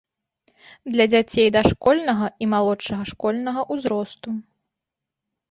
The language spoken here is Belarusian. Для дзяцей дашкольнага і малодшага школьнага ўзросту.